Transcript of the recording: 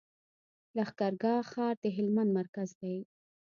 لښکر ګاه ښار د هلمند مرکز دی.